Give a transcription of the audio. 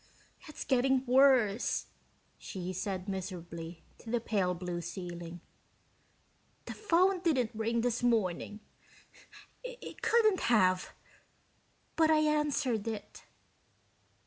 "It's getting worse," she said miserably to the pale blue ceiling. "The phone didn't ring this morning it couldn't have but I answered it." Dr.